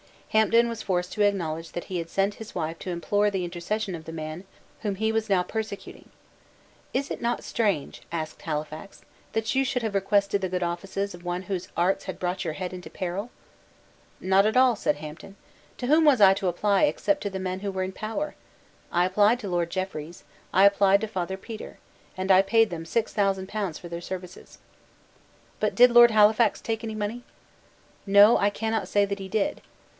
Hampden was forced to acknowledge that he had sent his wife to implore the intercession of the man whom he was now persecuting. "Is it not strange," asked Halifax, "that you should have requested the good offices of one whose arts had brought your head into peril?" "Not at all," said Hampden; "to whom was I to apply except to the men who were in power? I applied to Lord Jeffreys: I applied to Father Petre; and I paid them six thousand pounds for their services." "But did Lord Halifax take any money?" "No, I cannot say that he did."